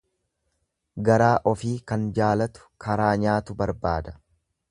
Garaa ofii kan jaalatu karaa nyaatu barbaada.